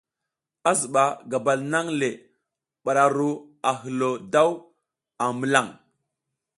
A ziba gabal nang le bara a ru a hilo daw a milan.